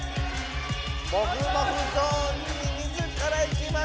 もふもふゾーンに自ら行きました。